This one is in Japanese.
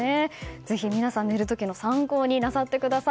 ぜひ皆さん寝る時の参考になさってください。